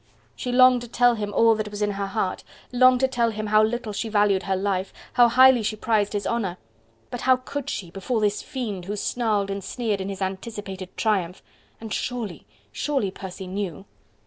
She longed to tell him all that was in her heart, longed to tell him how little she valued her life, how highly she prized his honour! but how could she, before this fiend who snarled and sneered in his anticipated triumph, and surely, surely Percy knew!